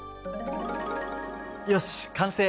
よし完成。